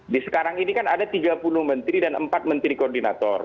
di sekarang ini kan ada tiga puluh menteri dan empat menteri koordinator